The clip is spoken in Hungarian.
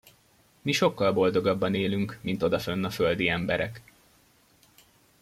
Mi sokkal boldogabban élünk, mint odafönn a földi emberek.